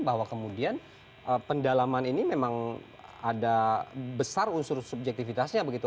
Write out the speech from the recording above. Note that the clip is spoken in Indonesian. bahwa kemudian pendalaman ini memang ada besar unsur subjektivitasnya begitu